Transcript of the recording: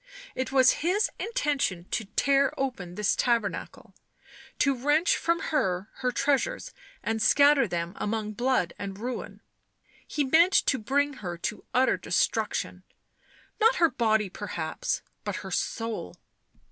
It was his intention to tear open this tabernacle, to wrench from her her treasures and scatter them among blood and ruin ; he meant to bring her to utter destruction ; not her body, perhaps, but her soul.